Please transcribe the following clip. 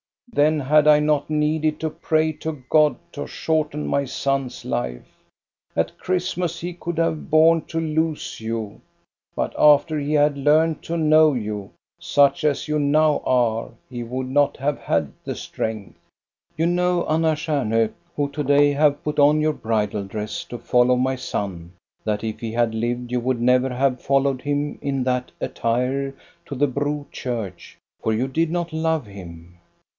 Then had I not needed to pray to God to shorten my son's life. At Christmas he could have borne to lose you, but after he had learnt to know you, such as you now are, he would not have had the strength. " You know, Anna Stjamhok, who to day have put on your bridal dress to follow my son, that if he had lived you would never have followed him in that attire to the Bro church, for you did not love him.